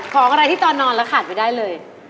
ของอะไรที่ตอนนอนแล้วขาดไม่ได้เลย